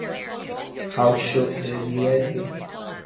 How should they be valued?